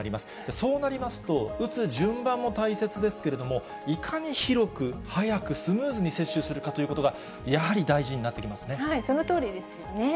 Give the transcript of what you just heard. そうなりますと、打つ順番も大切ですけれども、いかに広く早くスムーズに接種するかということが、やはり大事にそのとおりですよね。